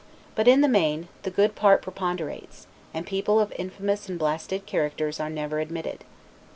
But in the main, the good part preponderates, and people of infamous and blasted characters are never admitted.